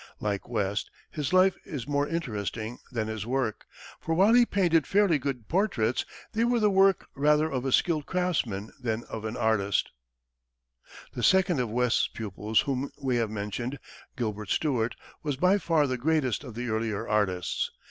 Like West, his life is more interesting than his work, for while he painted fairly good portraits, they were the work rather of a skilled craftsman than of an artist. [Illustration: STUART] The second of West's pupils whom we have mentioned, Gilbert Stuart, was by far the greatest of the earlier artists.